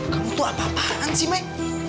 kamu tuh apa apaan sih mek